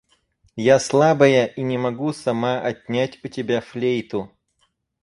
Я слабая и не могу сама отнять у тебя флейту.